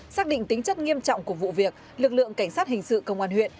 xác định tính chất nghiêm trọng của vụ việc lực lượng cảnh sát hình sự công an huyện